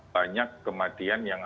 banyak kematian yang